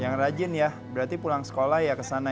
yang rajin ya berarti pulang sekolah ya ke sana ya